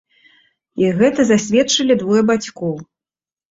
І гэта засведчылі двое бацькоў.